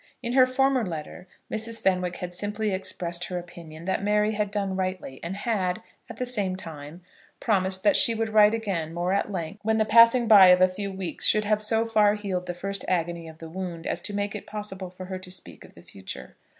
In her former letter Mrs. Fenwick had simply expressed her opinion that Mary had done rightly, and had, at the same time, promised that she would write again, more at length, when the passing by of a few weeks should have so far healed the first agony of the wound, as to make it possible for her to speak of the future.